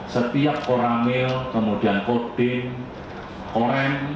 setiap koramil kemudian koding koren